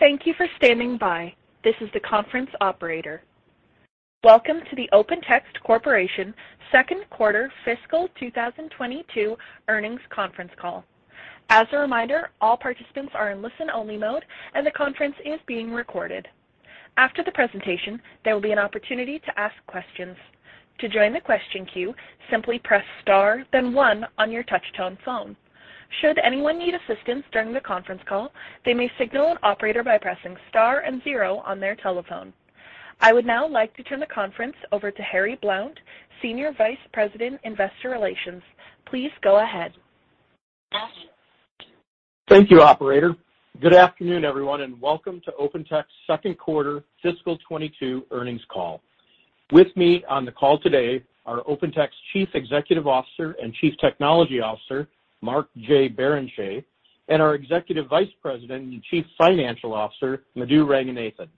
Thank you for standing by. This is the conference operator. Welcome to the OpenText Corporation second quarter fiscal 2022 earnings conference call. As a reminder, all participants are in listen-only mode and the conference is being recorded. After the presentation, there will be an opportunity to ask questions. To join the question queue, simply press star, then one on your touchtone phone. Should anyone need assistance during the conference call, they may signal an operator by pressing star and zero on their telephone. I would now like to turn the conference over to Harry Blount, Senior Vice President, Investor Relations. Please go ahead. Thank you, operator. Good afternoon, everyone, and welcome to OpenText second quarter fiscal 2022 earnings call. With me on the call today are OpenText Chief Executive Officer and Chief Technology Officer, Mark J. Barrenechea, and our Executive Vice President and Chief Financial Officer, Madhu Ranganathan.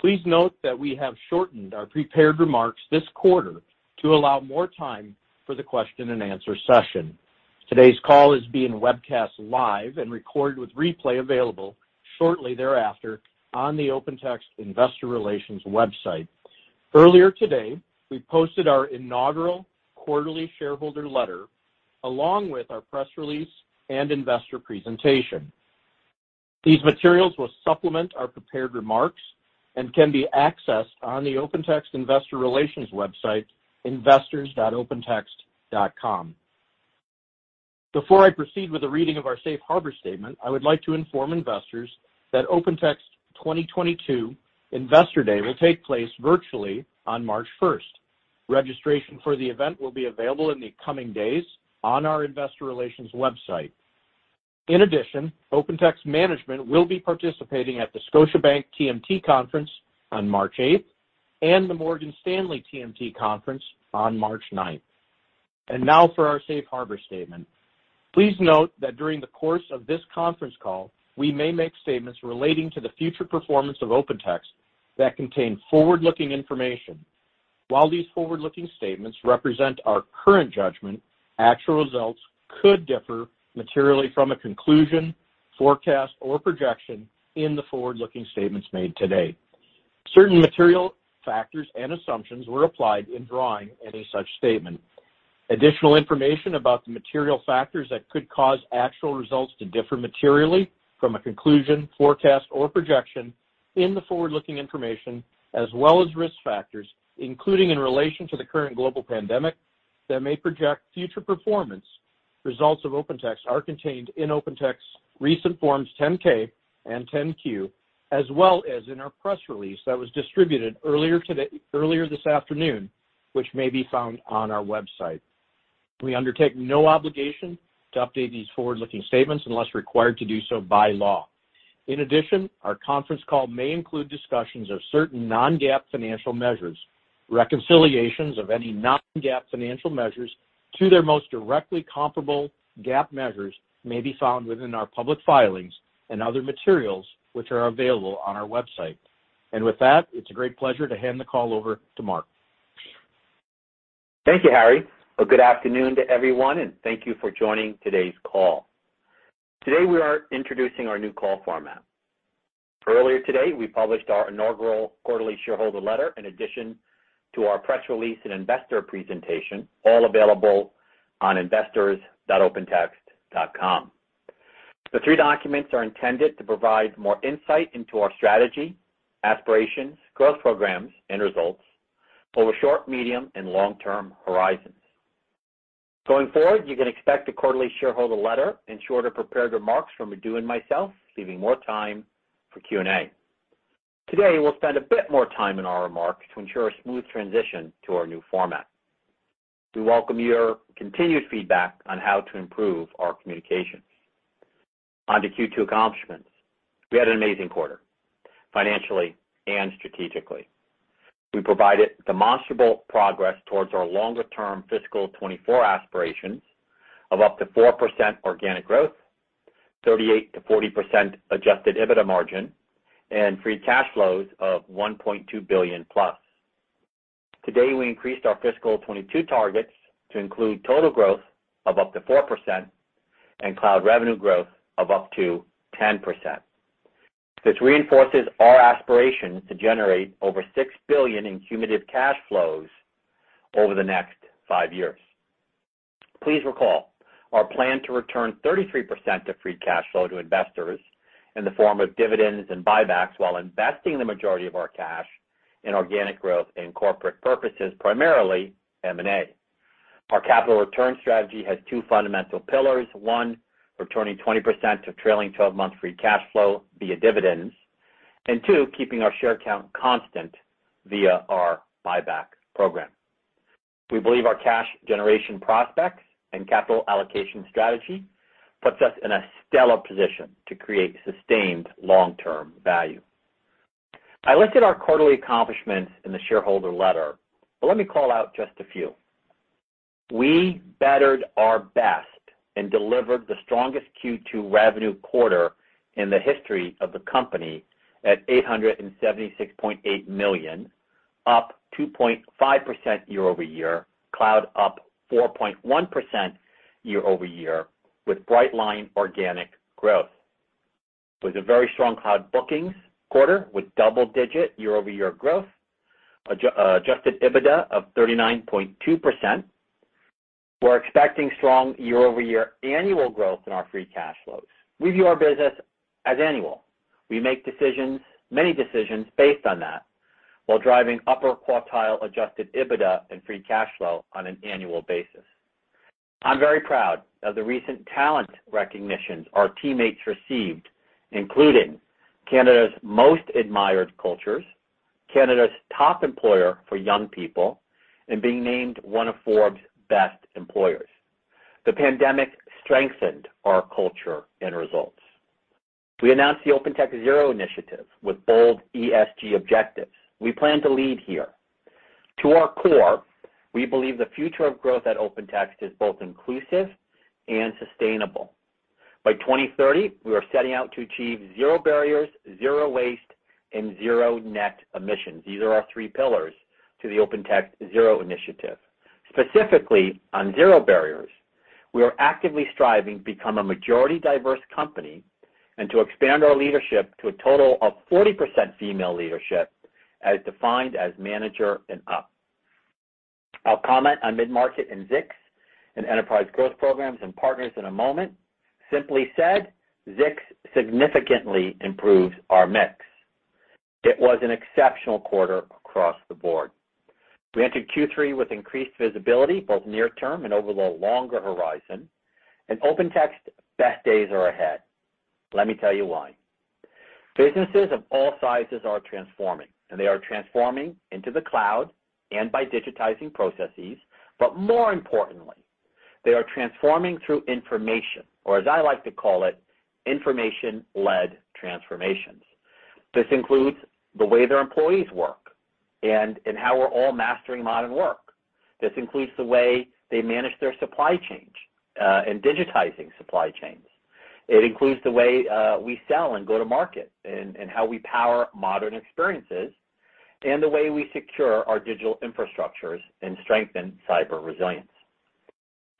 Please note that we have shortened our prepared remarks this quarter to allow more time for the question and answer session. Today's call is being webcast live and recorded with replay available shortly thereafter on the OpenText Investor Relations website. Earlier today, we posted our inaugural quarterly shareholder letter along with our press release and investor presentation. These materials will supplement our prepared remarks and can be accessed on the OpenText Investor Relations website, investors.opentext.com. Before I proceed with the reading of our Safe Harbor statement, I would like to inform investors that OpenText 2022 Investor Day will take place virtually on March 1st. Registration for the event will be available in the coming days on our investor relations website. In addition, OpenText management will be participating at the Scotiabank TMT Conference on March 8th and the Morgan Stanley TMT Conference on March 9th. Now for our safe harbor statement. Please note that during the course of this conference call, we may make statements relating to the future performance of OpenText that contain forward-looking information. While these forward-looking statements represent our current judgment, actual results could differ materially from a conclusion, forecast, or projection in the forward-looking statements made today. Certain material factors and assumptions were applied in drawing any such statement. Additional information about the material factors that could cause actual results to differ materially from a conclusion, forecast, or projection in the forward-looking information as well as risk factors, including in relation to the current global pandemic that may impact future performance. Results of OpenText are contained in OpenText's recent Forms 10-K and 10-Q, as well as in our press release that was distributed earlier this afternoon, which may be found on our website. We undertake no obligation to update these forward-looking statements unless required to do so by law. In addition, our conference call may include discussions of certain non-GAAP financial measures. Reconciliations of any non-GAAP financial measures to their most directly comparable GAAP measures may be found within our public filings and other materials, which are available on our website. With that, it's a great pleasure to hand the call over to Mark. Thank you, Harry. Well, good afternoon to everyone, and thank you for joining today's call. Today, we are introducing our new call format. Earlier today, we published our inaugural quarterly shareholder letter in addition to our press release and investor presentation, all available on investors.opentext.com. The three documents are intended to provide more insight into our strategy, aspirations, growth programs, and results over short, medium, and long-term horizons. Going forward, you can expect a quarterly shareholder letter and shorter prepared remarks from Madhu and myself, leaving more time for Q&A. Today, we'll spend a bit more time in our remarks to ensure a smooth transition to our new format. We welcome your continued feedback on how to improve our communications. On to Q2 accomplishments. We had an amazing quarter, financially and strategically. We provided demonstrable progress towards our longer-term fiscal 2024 aspirations of up to 4% organic growth, 38%-40% adjusted EBITDA margin, and free cash flows of $1.2 billion+. Today, we increased our fiscal 2022 targets to include total growth of up to 4% and cloud revenue growth of up to 10%. This reinforces our aspiration to generate over $6 billion in cumulative cash flows over the next five years. Please recall our plan to return 33% of free cash flow to investors in the form of dividends and buybacks while investing the majority of our cash in organic growth and corporate purposes, primarily M&A. Our capital return strategy has two fundamental pillars. One, returning 20% of trailing 12 month free cash flow via dividends. Two, keeping our share count constant via our buyback program. We believe our cash generation prospects and capital allocation strategy puts us in a stellar position to create sustained long-term value. I listed our quarterly accomplishments in the shareholder letter, but let me call out just a few. We bettered our best and delivered the strongest Q2 revenue quarter in the history of the company at $876.8 million. Up 2.5% year-over-year. Cloud up 4.1% year-over-year with bright line organic growth. It was a very strong cloud bookings quarter with double-digit year-over-year growth. Adjusted EBITDA of 39.2%. We're expecting strong year-over-year annual growth in our free cash flows. We view our business as annual. We make decisions, many decisions based on that while driving upper-quartile adjusted EBITDA and free cash flow on an annual basis. I'm very proud of the recent talent recognitions our teammates received, including Canada's Most Admired Cultures, Canada's Top Employer for Young People, and being named one of Forbes' Best Employers. The pandemic strengthened our culture and results. We announced the OpenText Zero-In Initiative with bold ESG objectives. We plan to lead here. To our core, we believe the future of growth at OpenText is both inclusive and sustainable. By 2030, we are setting out to achieve zero barriers, zero waste, and zero net emissions. These are our three pillars to the OpenText Zero-In Initiative. Specifically, on zero barriers, we are actively striving to become a majority diverse company and to expand our leadership to a total of 40% female leadership as defined as manager and up. I'll comment on mid-market and Zix and enterprise growth programs and partners in a moment. Simply said, Zix significantly improves our mix. It was an exceptional quarter across the board. We entered Q3 with increased visibility, both near term and over the longer horizon, and OpenText's best days are ahead. Let me tell you why. Businesses of all sizes are transforming, and they are transforming into the cloud and by digitizing processes. But more importantly, they are transforming through information, or as I like to call it, information-led transformations. This includes the way their employees work and how we're all mastering modern work. This includes the way they manage their supply chains and digitizing supply chains. It includes the way we sell and go to market and how we power modern experiences, and the way we secure our digital infrastructures and strengthen cyber resilience.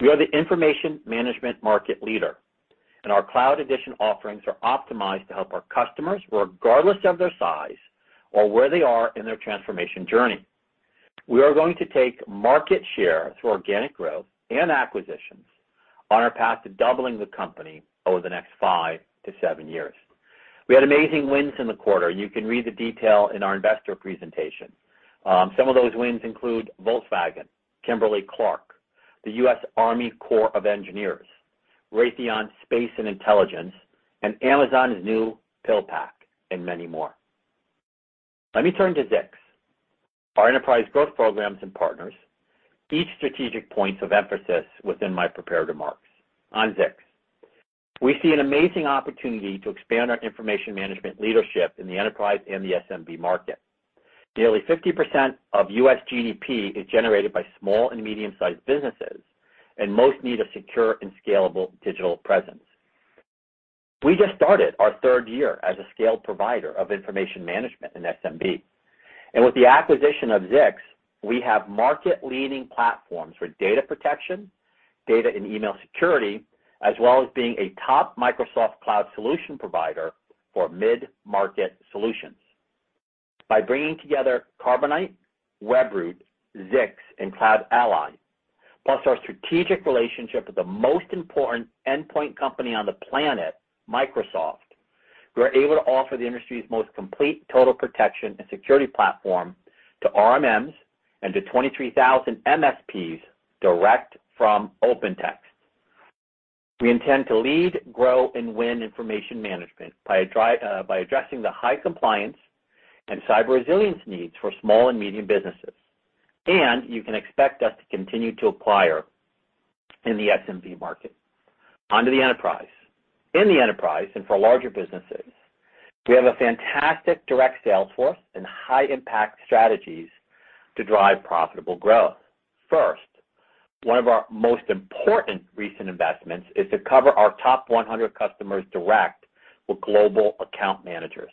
We are the information management market leader, and our Cloud Editions offerings are optimized to help our customers, regardless of their size or where they are in their transformation journey. We are going to take market share through organic growth and acquisitions on our path to doubling the company over the next five to seven years. We had amazing wins in the quarter. You can read the detail in our investor presentation. Some of those wins include Volkswagen, Kimberly-Clark, the U.S. Army Corps of Engineers, Raytheon Space & Intelligence, and Amazon's new PillPack, and many more. Let me turn to Zix. Our enterprise growth programs and partners, each strategic points of emphasis within my prepared remarks. On Zix. We see an amazing opportunity to expand our information management leadership in the enterprise and the SMB market. Nearly 50% of U.S. GDP is generated by small and medium-sized businesses, and most need a secure and scalable digital presence. We just started our third year as a scaled provider of information management in SMB. With the acquisition of Zix, we have market-leading platforms for data protection, data and email security, as well as being a top Microsoft Cloud solution provider for mid-market solutions. By bringing together Carbonite, Webroot, Zix, and CloudAlly, plus our strategic relationship with the most important endpoint company on the planet, Microsoft, we're able to offer the industry's most complete total protection and security platform to RMMs and to 23,000 MSPs direct from OpenText. We intend to lead, grow, and win information management by addressing the high compliance and cyber resilience needs for small and medium businesses. You can expect us to continue to acquire in the SMB market. Onto the enterprise. In the enterprise and for larger businesses, we have a fantastic direct sales force and high impact strategies to drive profitable growth. First, one of our most important recent investments is to cover our top 100 customers direct with global account managers.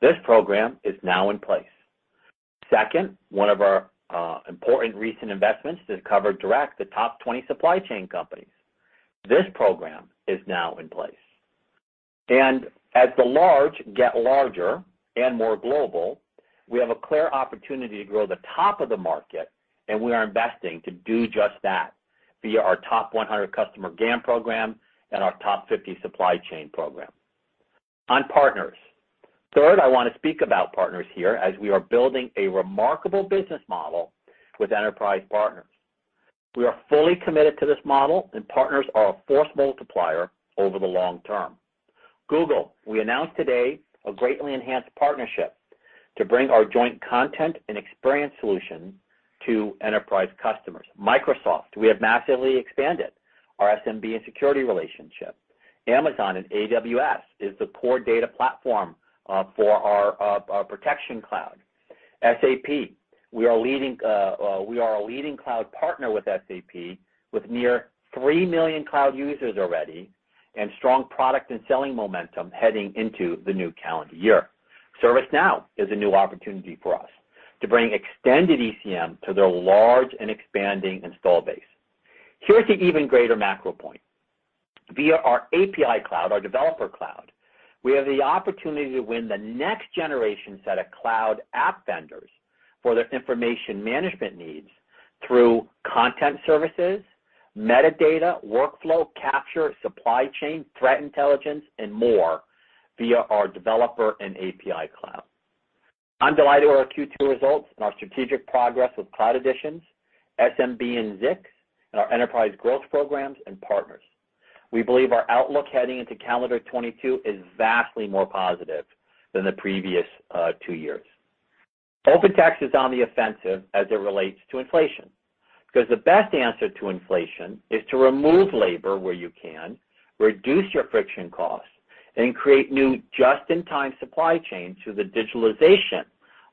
This program is now in place. Second, one of our important recent investments is cover direct the top 20 supply chain companies. This program is now in place. As the large get larger and more global, we have a clear opportunity to grow the top of the market, and we are investing to do just that via our top 100 customer GAM program and our top 50 supply chain program. On partners. Third, I want to speak about partners here as we are building a remarkable business model with enterprise partners. We are fully committed to this model, and partners are a force multiplier over the long term. Google, we announced today a greatly enhanced partnership to bring our joint content and experience solution to enterprise customers. Microsoft, we have massively expanded our SMB and security relationship. Amazon and AWS is the core data platform for our protection cloud. SAP, we are a leading cloud partner with SAP, with near 3 million cloud users already. Strong product and selling momentum heading into the new calendar year. ServiceNow is a new opportunity for us to bring extended ECM to their large and expanding install base. Here's the even greater macro point. Via our API cloud, our developer cloud, we have the opportunity to win the next generation set of cloud app vendors for their information management needs through content services, metadata, workflow, capture, supply chain, threat intelligence, and more via our developer and API cloud. I'm delighted with our Q2 results and our strategic progress with Cloud Editions, SMB, and Zix, and our enterprise growth programs and partners. We believe our outlook heading into calendar 2022 is vastly more positive than the previous two years. OpenText is on the offensive as it relates to inflation, because the best answer to inflation is to remove labor where you can, reduce your friction costs, and create new just-in-time supply chains through the digitalization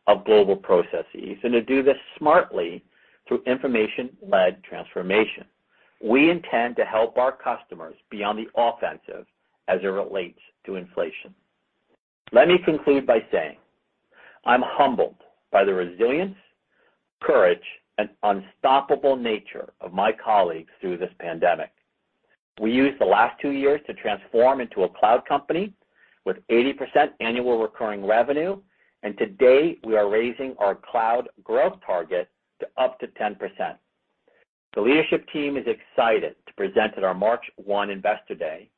of global processes, and to do this smartly through information-led transformation. We intend to help our customers be on the offensive as it relates to inflation. Let me conclude by saying I'm humbled by the resilience, courage, and unstoppable nature of my colleagues through this pandemic. We used the last two years to transform into a cloud company with 80% annual recurring revenue, and today we are raising our cloud growth target to up to 10%. The leadership team is excited to present at our March 1 investor day,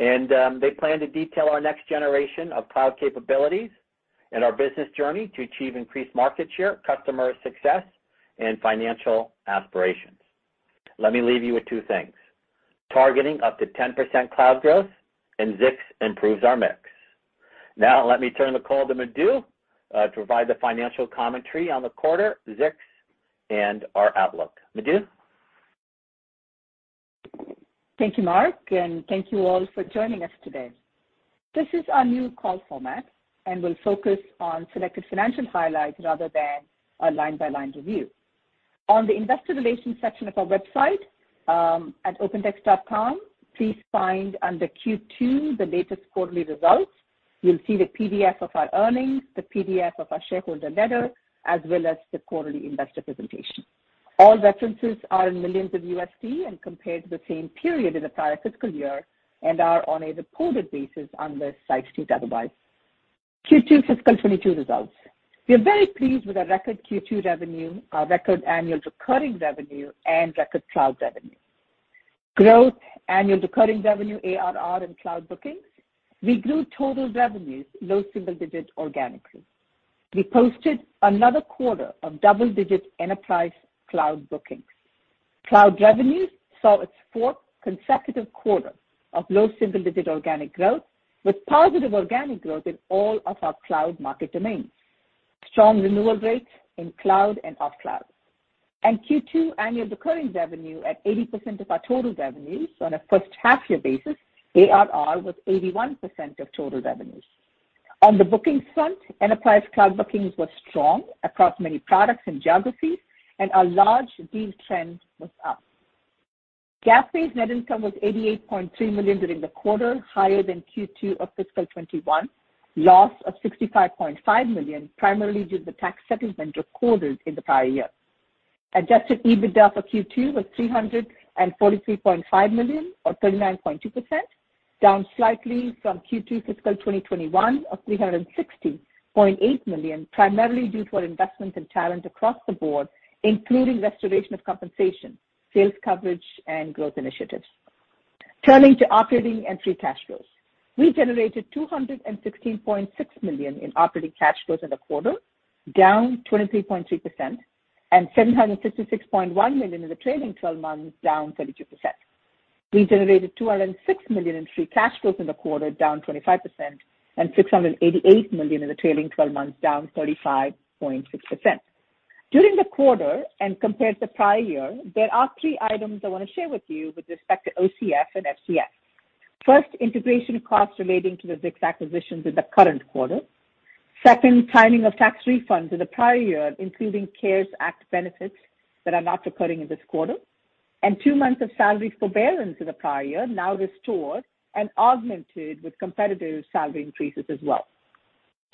and they plan to detail our next generation of cloud capabilities and our business journey to achieve increased market share, customer success, and financial aspirations. Let me leave you with two things, targeting up to 10% cloud growth, and Zix improves our mix. Now let me turn the call to Madhu to provide the financial commentary on the quarter, Zix, and our outlook. Madhu? Thank you, Mark, and thank you all for joining us today. This is our new call format, and we'll focus on selected financial highlights rather than a line-by-line review. On the investor relations section of our website at opentext.com, please find under Q2 the latest quarterly results. You'll see the PDF of our earnings, the PDF of our shareholder letter, as well as the quarterly investor presentation. All references are in millions in USD and compared to the same period in the prior fiscal year and are on a reported basis unless I state otherwise. Q2 fiscal 2022 results. We are very pleased with our record Q2 revenue, our record annual recurring revenue, and record cloud revenue. Growth, annual recurring revenue, ARR, and cloud bookings. We grew total revenues low single digits organically. We posted another quarter of double-digit enterprise cloud bookings. Cloud revenues saw its fourth consecutive quarter of low single-digit organic growth with positive organic growth in all of our cloud market domains. Strong renewal rates in cloud and off cloud. Q2 annual recurring revenue at 80% of our total revenues on a first half year basis, ARR was 81% of total revenues. On the bookings front, enterprise cloud bookings were strong across many products and geographies, and our large deal trend was up. GAAP-based net income was $88.3 million during the quarter, higher than Q2 of fiscal 2021 loss of $65.5 million, primarily due to the tax settlement recorded in the prior year. Adjusted EBITDA for Q2 was $343.5 million or 39.2%, down slightly from Q2 fiscal 2021 of $360.8 million, primarily due to our investment in talent across the board, including restoration of compensation, sales coverage, and growth initiatives. Turning to operating and free cash flows. We generated $216.6 million in operating cash flows in the quarter, down 23.3%, and $766.1 million in the trailing 12 months, down 32%. We generated $206 million in free cash flows in the quarter, down 25%, and $688 million in the trailing 12 months, down 35.6%. During the quarter and compared to prior year, there are three items I want to share with you with respect to OCF and FCF. First, integration costs relating to the Zix acquisitions in the current quarter. Second, timing of tax refunds in the prior year, including CARES Act benefits that are not recurring in this quarter. Two months of salary forbearance in the prior year, now restored and augmented with competitive salary increases as well.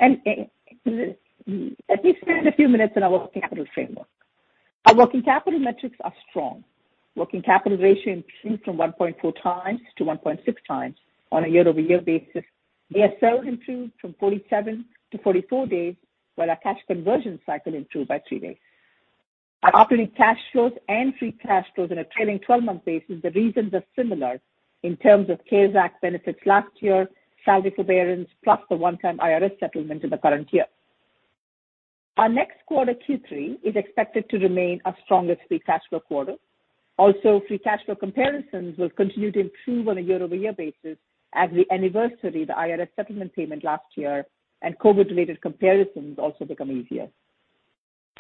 Let me spend a few minutes on our working capital framework. Our working capital metrics are strong. Working capital ratio improved from 1.4x to 1.6x on a year-over-year basis. DSO improved from 47 to 44 days, while our cash conversion cycle improved by three days. Our operating cash flows and free cash flows on a trailing twelve-month basis, the reasons are similar in terms of CARES Act benefits last year, salary forbearance, plus the one-time IRS settlement in the current year. Our next quarter, Q3, is expected to remain a stronger free cash flow quarter. Also, free cash flow comparisons will continue to improve on a year-over-year basis as we anniversary the IRS settlement payment last year and COVID-related comparisons also become easier.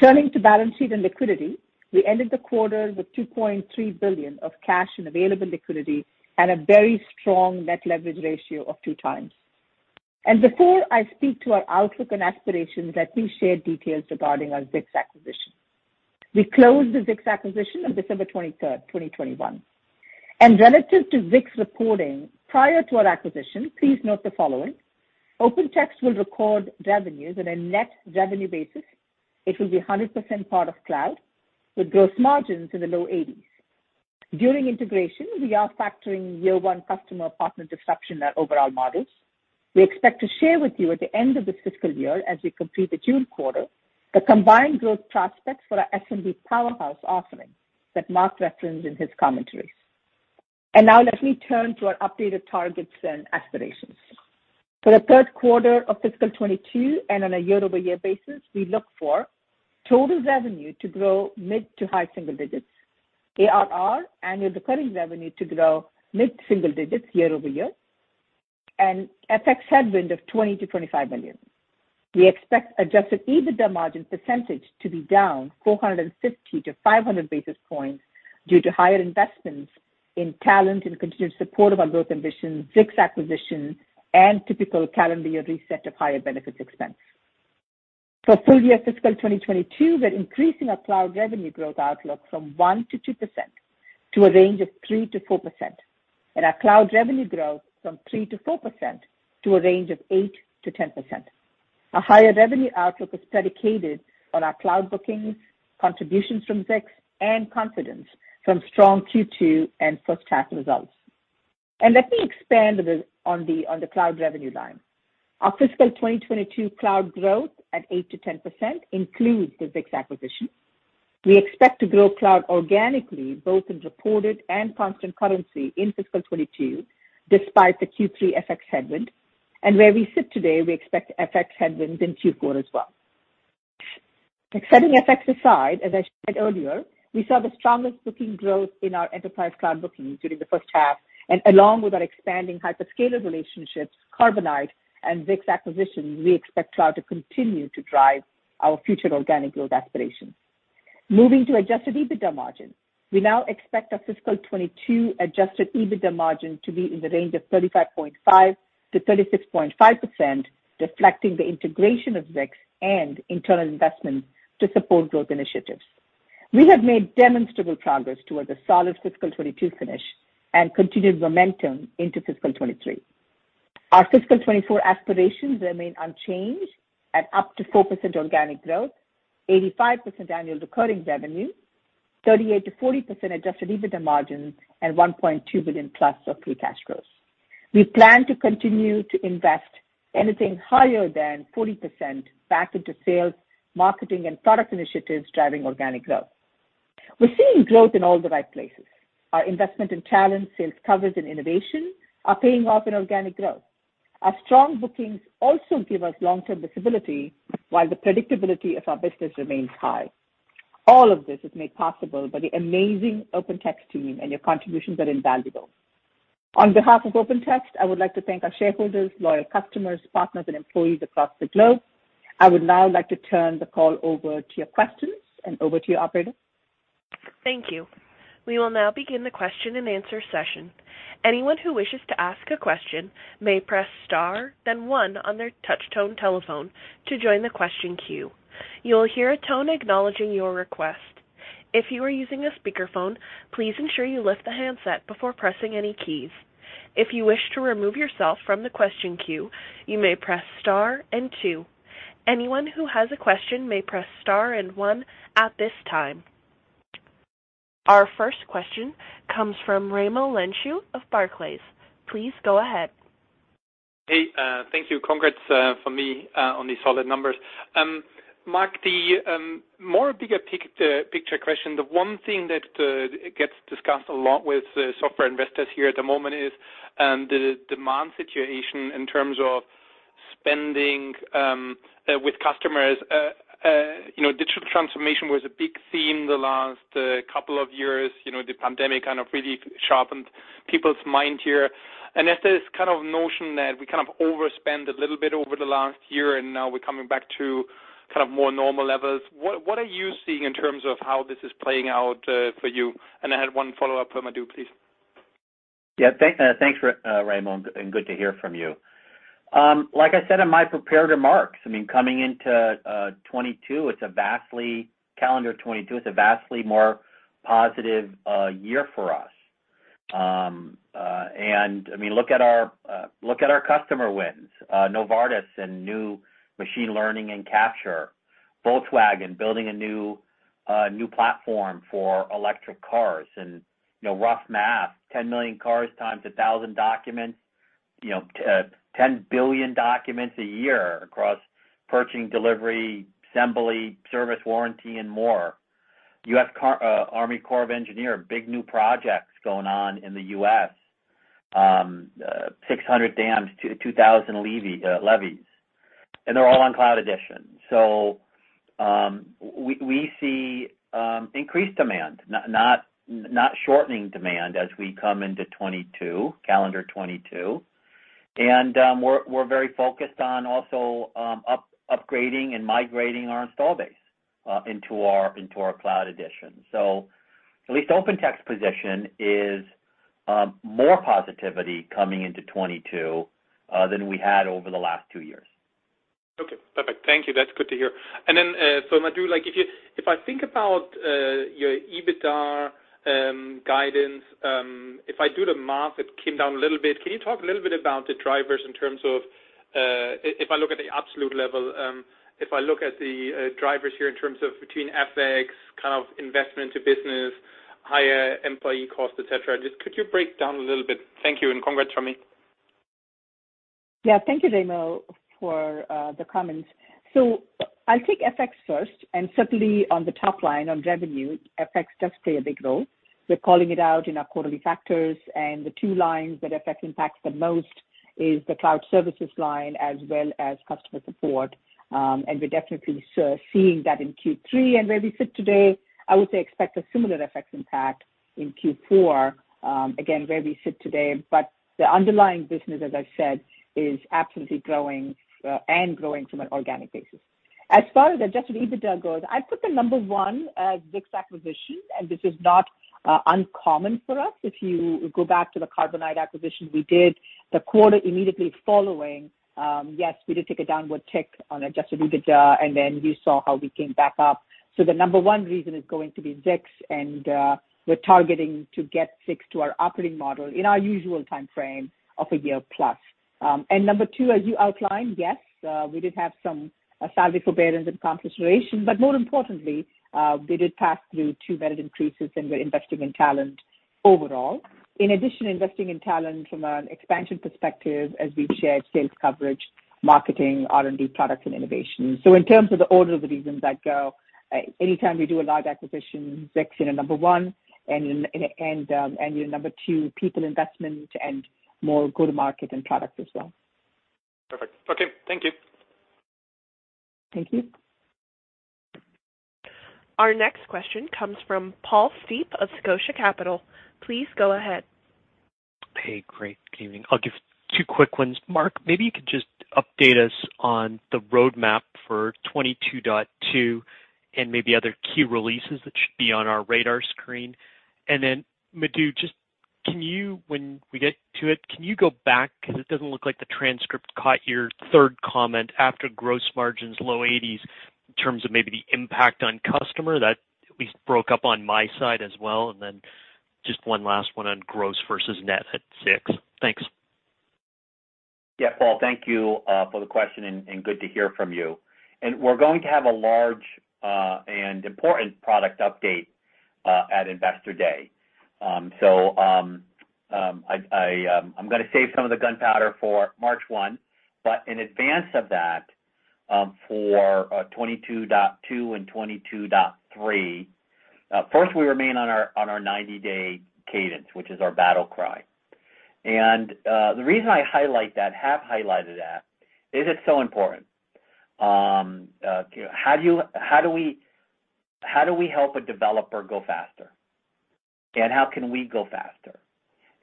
Turning to balance sheet and liquidity, we ended the quarter with $2.3 billion of cash and available liquidity and a very strong net leverage ratio of 2x. Before I speak to our outlook and aspirations, let me share details regarding our Zix acquisition. We closed the Zix acquisition on December 23, 2021. Relative to Zix reporting prior to our acquisition, please note the following. OpenText will record revenues on a net revenue basis. It will be 100% part of cloud with gross margins in the low-80s. During integration, we are factoring year-one customer partner disruption in our overall models. We expect to share with you at the end of this fiscal year as we complete the June quarter, the combined growth prospects for our SMB powerhouse offering that Mark referenced in his commentaries. Now let me turn to our updated targets and aspirations. For the third quarter of fiscal 2022 and on a year-over-year basis, we look for total revenue to grow mid to high-single digits, ARR, annual recurring revenue, to grow mid single-digits year-over-year, and FX headwind of $20 million-$25 million. We expect adjusted EBITDA margin percentage to be down 450-500 basis points due to higher investments in talent and continued support of our growth ambitions, Zix acquisition, and typical calendar year reset of higher benefits expense. For full year fiscal 2022, we're increasing our cloud revenue growth outlook from 1%-2% to a range of 3%-4%. Our cloud revenue growth from 3%-4% to a range of 8%-10%. Our higher revenue outlook is based on our cloud bookings, contributions from Zix, and confidence from strong Q2 and first half results. Let me expand with this on the cloud revenue line. Our fiscal 2022 cloud growth at 8%-10% includes the Zix acquisition. We expect to grow cloud organically both in reported and constant currency in fiscal 2022, despite the Q3 FX headwind. Where we sit today, we expect FX headwinds in Q4 as well. Setting FX aside, as I said earlier, we saw the strongest booking growth in our enterprise cloud bookings during the first half, and along with our expanding hyperscaler relationships, Carbonite and Zix acquisition, we expect cloud to continue to drive our future organic growth aspirations. Moving to adjusted EBITDA margin, we now expect our fiscal 2022 adjusted EBITDA margin to be in the range of 35.5%-36.5%, reflecting the integration of Zix and internal investments to support growth initiatives. We have made demonstrable progress towards a solid fiscal 2022 finish and continued momentum into fiscal 2023. Our fiscal 2024 aspirations remain unchanged at up to 4% organic growth, 85% annual recurring revenue, 38%-40% adjusted EBITDA margins, and $1.2 billion+ of free cash flows. We plan to continue to invest anything higher than 40% back into sales, marketing, and product initiatives driving organic growth. We're seeing growth in all the right places. Our investment in talent, sales coverage, and innovation are paying off in organic growth. Our strong bookings also give us long-term visibility, while the predictability of our business remains high. All of this is made possible by the amazing OpenText team, and your contributions are invaluable. On behalf of OpenText, I would like to thank our shareholders, loyal customers, partners, and employees across the globe. I would now like to turn the call over to your questions and over to you, operator. Thank you. We will now begin the question-and-answer session. Anyone who wishes to ask a question may press star, then one on their touch tone telephone to join the question queue. You will hear a tone acknowledging your request. If you are using a speakerphone, please ensure you lift the handset before pressing any keys. If you wish to remove yourself from the question queue, you may press star and two. Anyone who has a question may press star and one at this time. Our first question comes from Raimo Lenschow of Barclays. Please go ahead. Hey, thank you. Congrats from me on the solid numbers. Mark, the bigger picture question. The one thing that gets discussed a lot with software investors here at the moment is the demand situation in terms of spending with customers. You know, digital transformation was a big theme the last couple of years. You know, the pandemic kind of really sharpened people's mind here. There's this kind of notion that we kind of overspend a little bit over the last year, and now we're coming back to kind of more normal levels. What are you seeing in terms of how this is playing out for you? I had one follow-up for Madhu, please. Yeah. Thanks, Raimo, and good to hear from you. Like I said in my prepared remarks, I mean, coming into 2022, calendar 2022 is a vastly more positive year for us. I mean, look at our customer wins. Novartis and new machine learning and capture. Volkswagen building a new platform for electric cars and, you know, rough math, 10 million cars times a thousand documents, you know, 10 billion documents a year across purchasing, delivery, assembly, service warranty, and more. U.S. Army Corps of Engineers, big new projects going on in the U.S. 600 dams, 2,000 levies, and they're all on Cloud Editions. We see increased demand, not shortening demand as we come into 2022, calendar 2022. We're very focused on also upgrading and migrating our install base into our Cloud Editions. At least OpenText's position is more positive coming into 2022 than we had over the last two years. Okay, perfect. Thank you. That's good to hear. Madhu, like, if I think about your EBITDA guidance, if I do the math, it came down a little bit. Can you talk a little bit about the drivers in terms of if I look at the absolute level, if I look at the drivers here in terms of between FX, kind of investment to business, higher employee costs, et cetera. Just could you break down a little bit? Thank you. Congrats, from me. Yeah. Thank you, Raimo, for the comments. I'll take FX first, and certainly on the top line on revenue, FX does play a big role. We're calling it out in our quarterly factors, and the two lines that FX impacts the most is the cloud services line as well as customer support. We're definitely seeing that in Q3. Where we sit today, I would say expect a similar FX impact in Q4, again, where we sit today. The underlying business, as I said, is absolutely growing, and growing from an organic basis. As far as adjusted EBITDA goes, I put the number one as Zix acquisition, and this is not uncommon for us. If you go back to the Carbonite acquisition we did, the quarter immediately following, yes, we did take a downward tick on adjusted EBITDA, and then you saw how we came back up. The number one reason is going to be Zix and, we're targeting to get Zix to our operating model in our usual timeframe of a year plus. Number two, as you outlined, yes, we did have some salary forbearance and compensation. More importantly, we did pass through two merit increases, and we're investing in talent overall. In addition to investing in talent from an expansion perspective, as we've shared, sales coverage, marketing, R&D, product, and innovation. In terms of the order of the reasons I'd go, anytime we do a large acquisition, Zix, you know, number one, and your number two, people investment and more go-to-market and product as well. Perfect. Okay. Thank you. Thank you. Our next question comes from Paul Steep of Scotia Capital. Please go ahead. Hey, great. Good evening. I'll give two quick ones. Mark, maybe you could just update us on the roadmap for 22.2 and maybe other key releases that should be on our radar screen. Madhu, just can you—when we get to it, can you go back? 'Cause it doesn't look like the transcript caught your third comment after gross margins, low-80s, in terms of maybe the impact on customer. That at least broke up on my side as well. Just one last one on gross versus net at Zix. Thanks. Yeah. Paul, thank you for the question, and good to hear from you. We're going to have a large and important product update at Investor Day. I'm gonna save some of the gunpowder for March 1. But in advance of that, for 22.2 and 22.3, first, we remain on our 90 day cadence, which is our battle cry. The reason I highlight that, have highlighted that, is it's so important. How do we help a developer go faster? How can we go faster?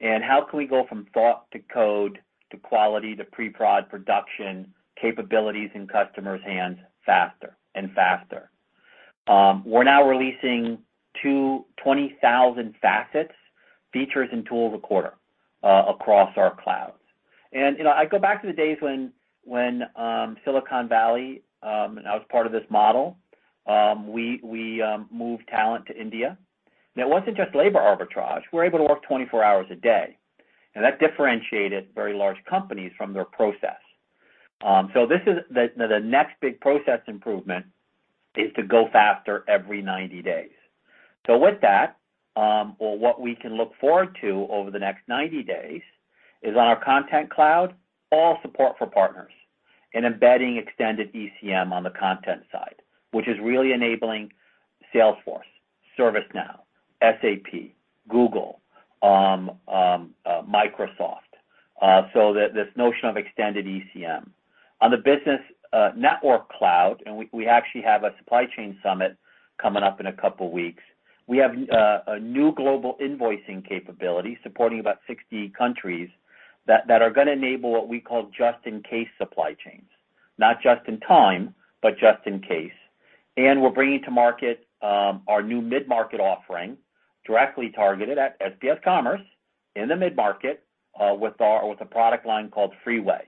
How can we go from thought to code to quality to pre-prod production capabilities in customers' hands faster and faster? We're now releasing 220,000 facets, features, and tools a quarter, across our clouds. You know, I go back to the days when Silicon Valley and I was part of this model. We moved talent to India. It wasn't just labor arbitrage. We were able to work 24 hours a day, and that differentiated very large companies from their process. This is the next big process improvement, is to go faster every 90 days. With that, or what we can look forward to over the next 90 days is on our Content Cloud, all support for partners and embedding extended ECM on the content side, which is really enabling Salesforce, ServiceNow, SAP, Google, Microsoft, so this notion of extended ECM. On the Business Network Cloud, we actually have a supply chain summit coming up in a couple weeks. We have a new global invoicing capability supporting about 60 countries that are gonna enable what we call just-in-case supply chains. Not just in time, but just in case. We're bringing to market our new mid-market offering directly targeted at SPS Commerce in the mid-market with a product line called Freeway.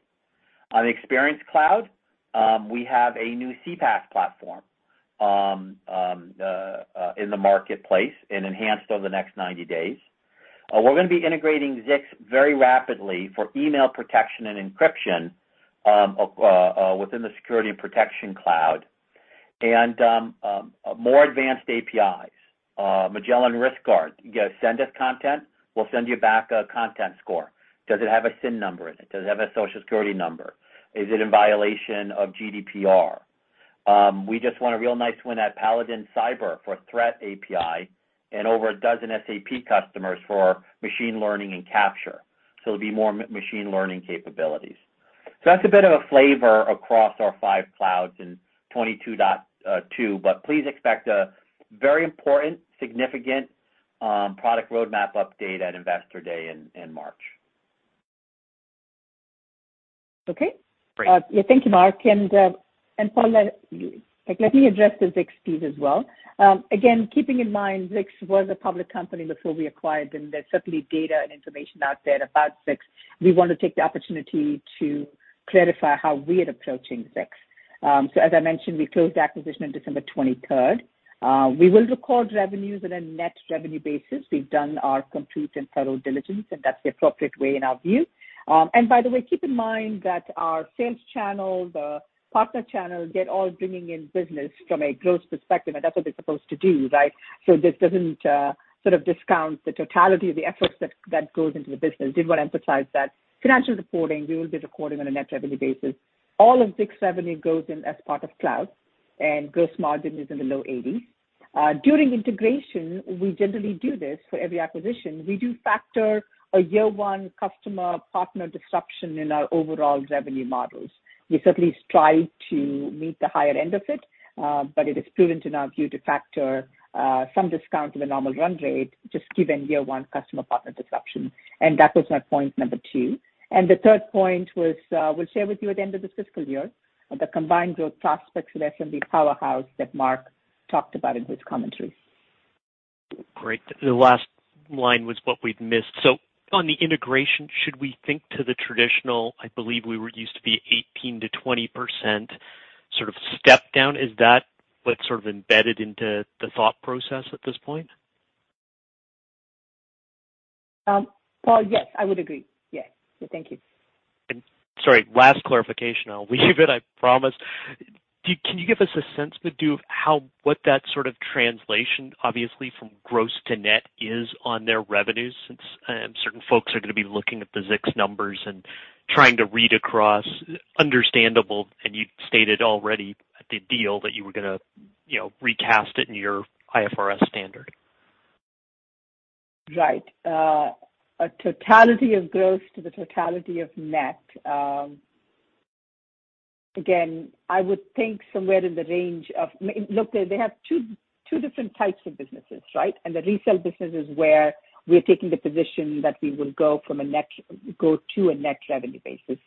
On Experience Cloud, we have a new CPAC platform in the marketplace and enhanced over the next 90 days. We're gonna be integrating Zix very rapidly for email protection and encryption within the Security & Protection Cloud and more advanced APIs. Magellan Risk Guard. You send us content, we'll send you back a content score. Does it have a SIN number in it? Does it have a Social Security number? Is it in violation of GDPR? We just won a real nice win at Paladin Cyber for threat API and over a dozen SAP customers for machine learning and capture. It'll be more machine learning capabilities. That's a bit of a flavor across our five clouds in 22.2, but please expect a very important, significant product roadmap update at Investor Day in March. Okay. Great. Yeah. Thank you, Mark. Paul, let me address the Zix piece as well. Again, keeping in mind Zix was a public company before we acquired them. There's certainly data and information out there about Zix. We want to take the opportunity to clarify how we're approaching Zix. As I mentioned, we closed the acquisition on December 23rd. We will record revenues on a net revenue basis. We've done our complete and thorough diligence, and that's the appropriate way in our view. By the way, keep in mind that our sales channel, the partner channel, they're all bringing in business from a growth perspective, and that's what they're supposed to do, right? This doesn't sort of discount the totality of the efforts that goes into the business. I did want to emphasize that. Financial reporting, we will be recording on a net revenue basis. All of Zix revenue goes in as part of cloud, and gross margin is in the low-80s. During integration, we generally do this for every acquisition. We do factor a year one customer-partner disruption in our overall revenue models. We certainly strive to meet the higher end of it, but it is prudent in our view to factor some discount to the normal run rate, just given year one customer-partner disruption. That was my point number two. The third point was, we'll share with you at the end of this fiscal year, the combined growth prospects for SMB powerhouse that Mark talked about in his commentary. Great. The last line was what we'd missed. On the integration, should we think of the traditional, I believe we used to be 18%-20% sort of step down? Is that what's sort of embedded into the thought process at this point? Paul, yes, I would agree. Yes. Thank you. Sorry, last clarification. I'll leave it, I promise. Can you give us a sense, Madhu, of what that sort of translation, obviously from gross to net is on their revenues? Since certain folks are gonna be looking at the Zix numbers and trying to read across. Understandable, and you stated already at the deal that you were gonna, you know, recast it in your IFRS standard. Right. A totality of gross to the totality of net. Again, I would think somewhere in the range of. Look, they have two different types of businesses, right? The resale business is where we're taking the position that we will go to a net revenue basis.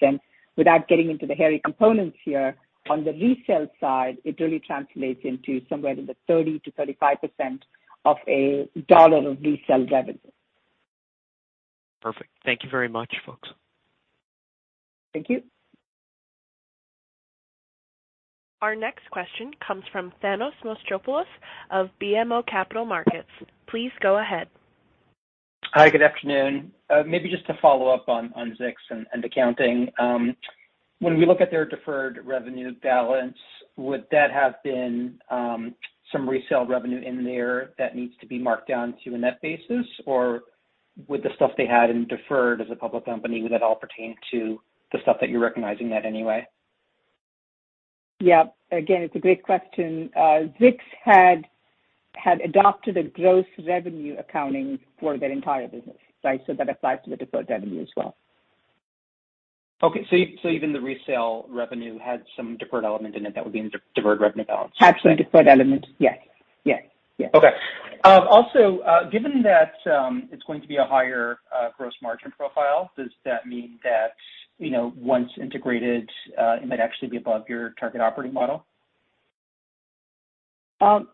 Without getting into the hairy components here, on the resale side, it really translates into somewhere in the 30%-35% of $1 of resale revenue. Perfect. Thank you very much, folks. Thank you. Our next question comes from Thanos Moschopoulos of BMO Capital Markets. Please go ahead. Hi, good afternoon. Maybe just to follow up on Zix and accounting. When we look at their deferred revenue balance, would that have been some resale revenue in there that needs to be marked down to a net basis? Or would the stuff they had in deferred as a public company, would that all pertain to the stuff that you're recognizing net anyway? Yeah. Again, it's a great question. Zix had adopted a gross revenue accounting for their entire business, right? So that applies to the deferred revenue as well. Even the resale revenue had some deferred element in it that would be in the deferred revenue balance. Absolutely. Deferred element. Yes. Yes. Yes. Okay. Also, given that it's going to be a higher gross margin profile, does that mean that, you know, once integrated, it might actually be above your target operating model?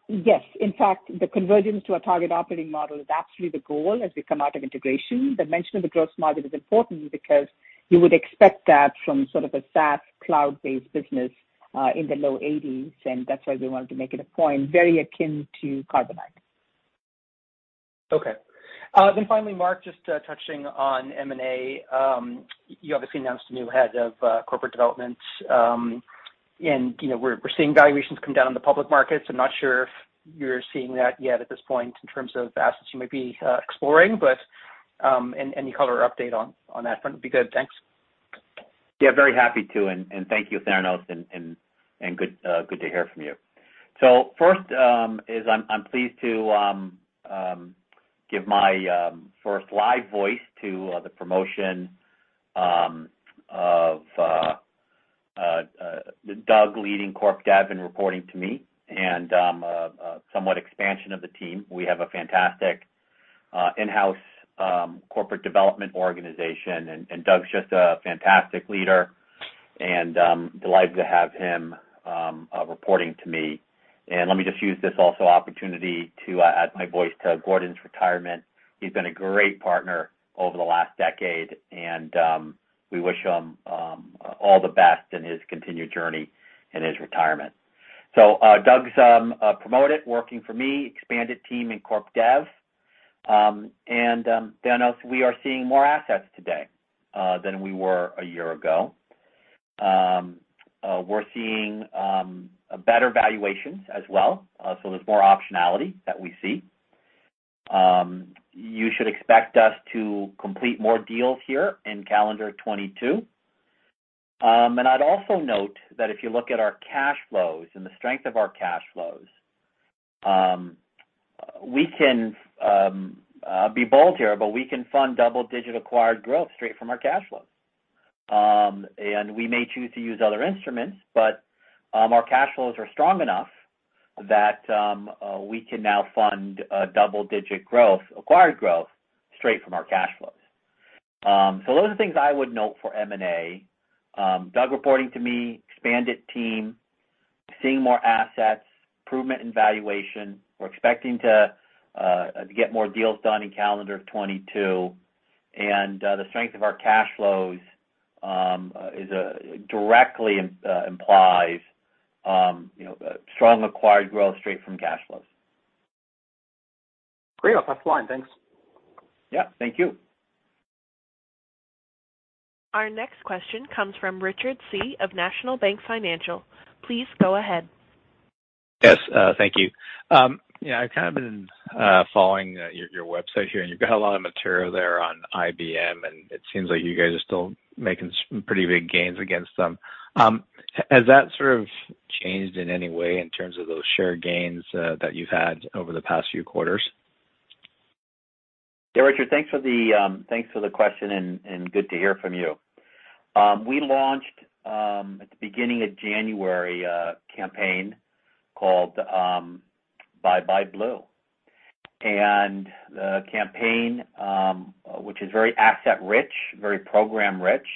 Yes. In fact, the convergence to a target operating model is absolutely the goal as we come out of integration. The mention of the gross margin is important because you would expect that from sort of a SaaS cloud-based business in the low-80s, and that's why we wanted to make it a point very akin to Carbonite. Finally, Mark, just touching on M&A. You obviously announced a new head of corporate development. You know, we're seeing valuations come down in the public markets. I'm not sure if you're seeing that yet at this point in terms of assets you may be exploring, but any color or update on that front would be good. Thanks. Yeah, very happy to thank you, Thanos, and good to hear from you. First, I'm pleased to give my first live voice to the promotion of Doug leading corp dev and reporting to me and a somewhat expansion of the team. We have a fantastic in-house corporate development organization, and Doug's just a fantastic leader and delighted to have him reporting to me. Let me just use this also opportunity to add my voice to Gordon's retirement. He's been a great partner over the last decade, and we wish him all the best in his continued journey in his retirement. Doug's promoted, working for me, expanded team in corp dev. Thanos, we are seeing more assets today than we were a year ago. We're seeing better valuations as well, so there's more optionality that we see. You should expect us to complete more deals here in calendar 2022. I'd also note that if you look at our cash flows and the strength of our cash flows, we can be bold here, but we can fund double-digit acquired growth straight from our cash flows. We may choose to use other instruments, but our cash flows are strong enough that we can now fund double-digit acquired growth straight from our cash flows. Those are the things I would note for M&A. Doug reporting to me, expanded team, seeing more assets, improvement in valuation. We're expecting to get more deals done in calendar of 2022, and the strength of our cash flows is directly implies, you know, strong acquired growth straight from cash flows. Great. That's fine. Thanks. Yeah, thank you. Our next question comes from Richard Tse of National Bank Financial. Please go ahead. Yes, thank you. Yeah, I've kind of been following your website here, and you've got a lot of material there on IBM, and it seems like you guys are still making pretty big gains against them. Has that sort of changed in any way in terms of those share gains that you've had over the past few quarters? Yeah, Richard, thanks for the question and good to hear from you. We launched at the beginning of January a campaign called Bye Bye Blue. The campaign, which is very asset-rich, very program-rich,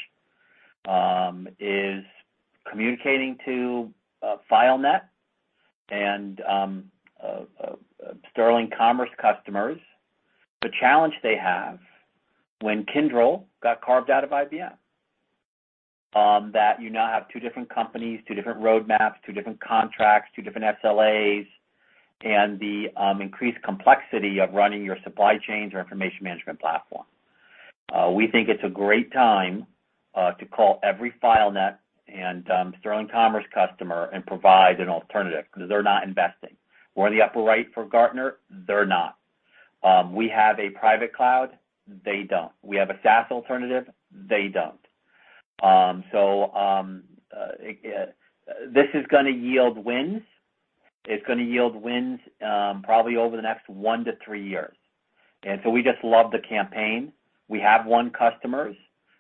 is communicating to FileNet and Sterling Commerce customers. The challenge they have when Kyndryl got carved out of IBM, that you now have two different companies, two different roadmaps, two different contracts, two different SLAs, and the increased complexity of running your supply chains or information management platform. We think it's a great time to call every FileNet and Sterling Commerce customer and provide an alternative because they're not investing. We're in the upper right for Gartner. They're not. We have a private cloud. They don't. We have a SaaS alternative. They don't. This is gonna yield wins, probably over the next one to three years. We just love the campaign. We have won customers.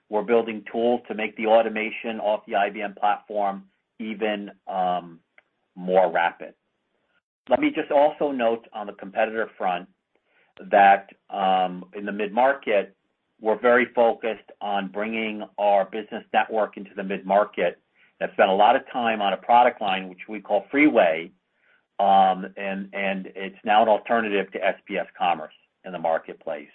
We're building tools to make the automation off the IBM platform even more rapid. Let me just also note on the competitor front that in the mid-market, we're very focused on bringing our business network into the mid-market. They've spent a lot of time on a product line, which we call Freeway, and it's now an alternative to SPS Commerce in the marketplace.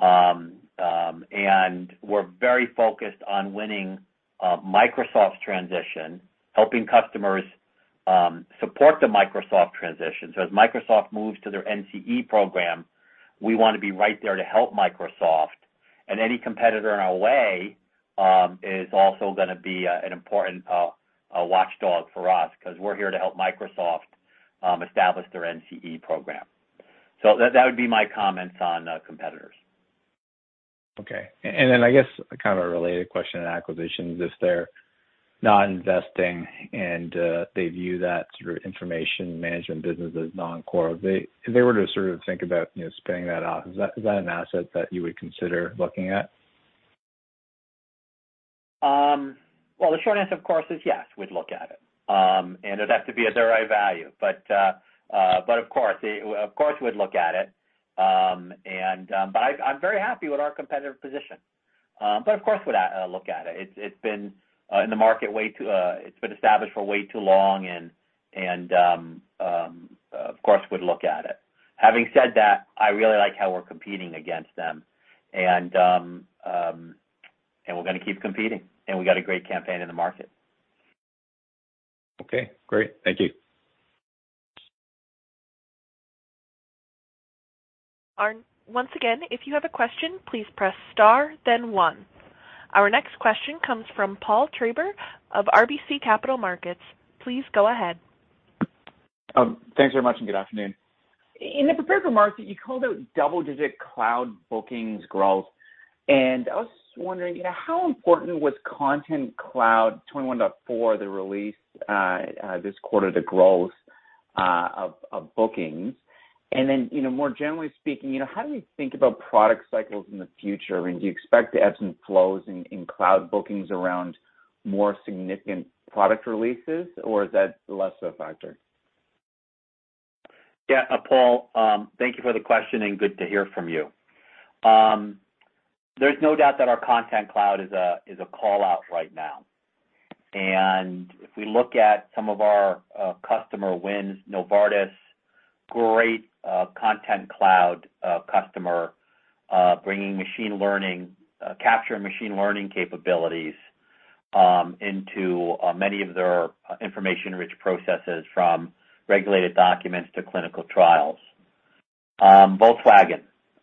We're very focused on winning Microsoft's transition, helping customers support the Microsoft transition. As Microsoft moves to their NCE program, we wanna be right there to help Microsoft. Any competitor in our way is also gonna be an important watchdog for us 'cause we're here to help Microsoft establish their NCE program. That would be my comments on competitors. Okay. I guess kind of a related question on acquisitions. If they're not investing and they view that sort of information management business as non-core, if they were to sort of think about, you know, spinning that off, is that an asset that you would consider looking at? Well, the short answer, of course, is yes, we'd look at it. It'd have to be at the right value. Of course, we'd look at it. I'm very happy with our competitive position. Of course we'd look at it. It's been established for way too long, and of course, we'd look at it. Having said that, I really like how we're competing against them, and we're gonna keep competing, and we've got a great campaign in the market. Okay, great. Thank you. Once again, if you have a question, please press star then one. Our next question comes from Paul Treiber of RBC Capital Markets. Please go ahead. Thanks very much, and good afternoon. In the prepared remarks, you called out double-digit cloud bookings growth, and I was just wondering, you know, how important was Content Cloud 21.4, the release, this quarter, the growth of bookings? You know, more generally speaking, you know, how do we think about product cycles in the future? I mean, do you expect ebbs and flows in cloud bookings around more significant product releases, or is that less of a factor? Yeah. Paul, thank you for the question and good to hear from you. There's no doubt that our Content Cloud is a call-out right now. If we look at some of our customer wins, Novartis, great Content Cloud customer, bringing machine learning capture and machine learning capabilities into many of their information rich processes from regulated documents to clinical trials. Volkswagen,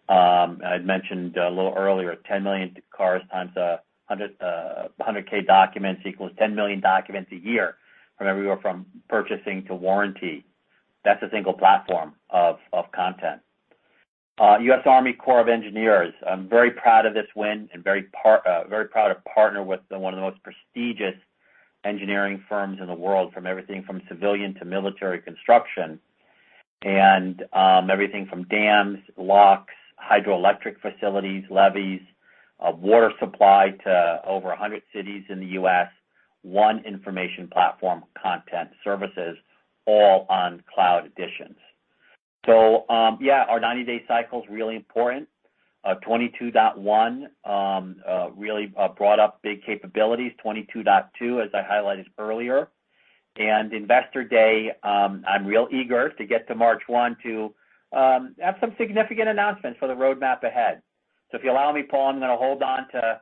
I'd mentioned a little earlier, 10 million cars times 100k documents equals 10 million documents a year from everywhere from purchasing to warranty. That's a single platform of content. U.S. Army Corps of Engineers. I'm very proud of this win and very proud to partner with one of the most prestigious engineering firms in the world, from everything from civilian to military construction and everything from dams, locks, hydroelectric facilities, levees, water supply to over 100 cities in the U.S., one information platform content services, all on Cloud Editions. Our 90 day cycle is really important. 22.1 really brought up big capabilities. 22.2, as I highlighted earlier. Investor day, I'm real eager to get to March 1 to have some significant announcements for the roadmap ahead. If you allow me, Paul, I'm gonna hold on to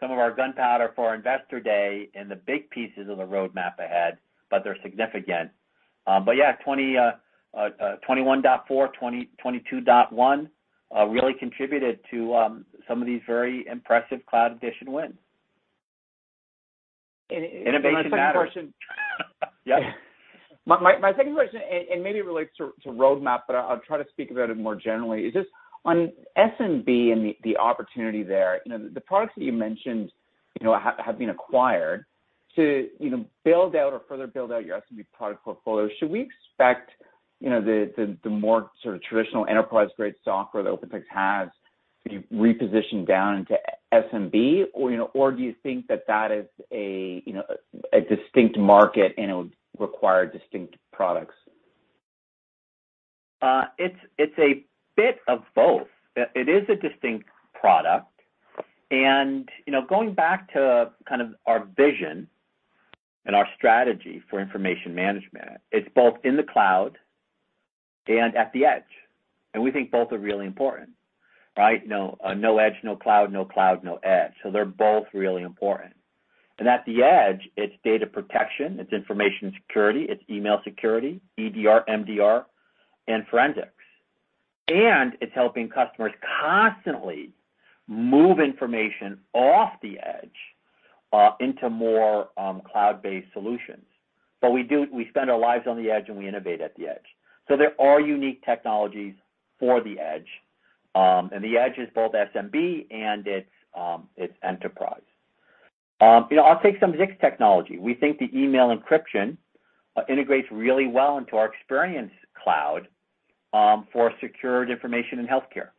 some of our gunpowder for our Investor Day and the big pieces of the roadmap ahead, but they're significant. Yeah, 2021.4, 2022.1 really contributed to some of these very impressive Cloud Editions wins. Innovation matters. My second question- Yeah. My second question, and maybe it relates to roadmap, but I'll try to speak about it more generally, is just on SMB and the opportunity there. You know, the products that you mentioned, you know, have been acquired to, you know, build out or further build out your SMB product portfolio. Should we expect, you know, the more sort of traditional enterprise-grade software that OpenText has to be repositioned down into SMB? Or, you know, or do you think that that is a, you know, a distinct market and it would require distinct products? It's a bit of both. It is a distinct product. You know, going back to kind of our vision and our strategy for information management, it's both in the cloud and at the edge, and we think both are really important, right? No edge, no cloud. They're both really important. At the edge, it's data protection, it's information security, it's email security, EDR, MDR, and forensics. It's helping customers constantly move information off the edge into more cloud-based solutions. We spend our lives on the edge, and we innovate at the edge. There are unique technologies for the edge. The edge is both SMB and it's enterprise. You know, I'll take some Zix technology. We think the email encryption integrates really well into our Experience Cloud for secured information in healthcare.